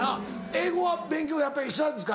英語勉強やっぱりしたんですか